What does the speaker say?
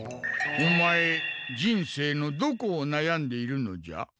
オマエ人生のどこをなやんでいるのじゃ？